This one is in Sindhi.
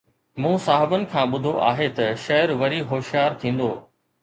مون صاحبن کان ٻڌو آهي ته شعر وري هوشيار ٿيندو